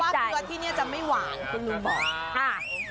เพราะว่าเกลือที่นี่จะไม่หวานคุณลุงบอก